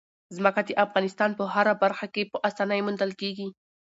ځمکه د افغانستان په هره برخه کې په اسانۍ موندل کېږي.